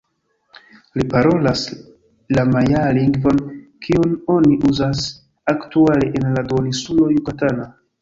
Li parolas la majaa lingvon kiun oni uzas aktuale en la Duoninsulo Jukatana.